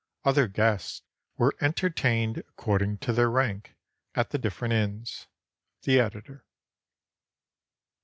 Other guests were entertained according to their rank, at the different inns. The Editor.